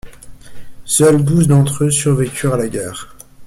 Seuls douze d'entre eux survécurent à la guerre.